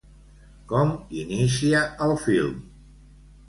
Com inicia el film?